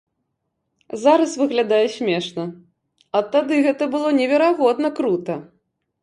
Зараз выглядае смешна, а тады гэта было неверагодна крута!